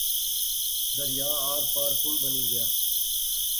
دریا آر پار پل بنی گیا